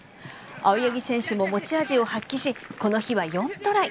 青柳選手も持ち味を発揮しこの日は４トライ。